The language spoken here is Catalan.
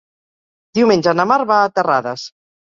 Diumenge na Mar va a Terrades.